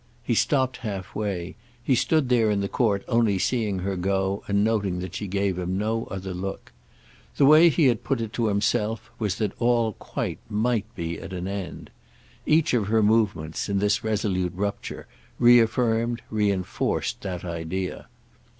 He stopped halfway; he stood there in the court only seeing her go and noting that she gave him no other look. The way he had put it to himself was that all quite might be at an end. Each of her movements, in this resolute rupture, reaffirmed, re enforced that idea.